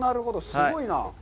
すごいな。